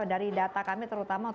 dari data kami terutama